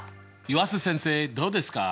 湯浅先生どうですか？